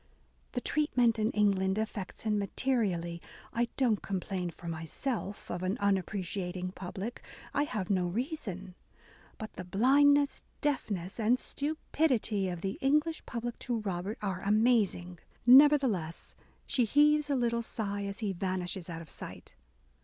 "The treatment in England affects him materially ... I don't complain for myself of an unappreciating public ;/ have no reason ... But, the blindness, deafness, and stupidity of the English public to Robert are amazing." Nevertheless, she heaves a little sigh as he vanishes out of sight.